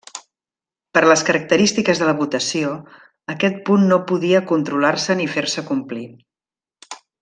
Per les característiques de la votació, aquest punt no podia controlar-se ni fer-se complir.